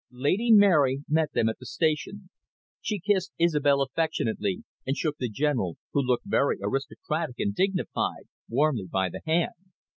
Lady Mary met them at the station. She kissed Isobel affectionately, and shook the General, who looked very aristocratic and dignified, warmly by the hand.